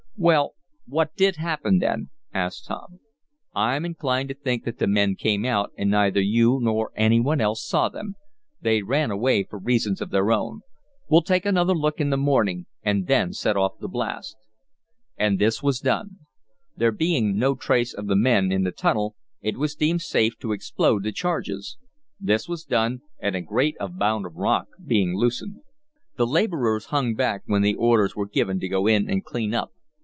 "Well, what did happen then?" asked Tom. "I'm inclined to think that the men came out and neither you, nor any one else, saw them. They ran away for reasons of their own. We'll take another look in the morning, and then set off the blast." And this was done. There being no trace of the men in the tunnel it was deemed safe to explode the charges. This was done, a great amount of rock being loosened. The laborers hung back when the orders were given to go in and clean up.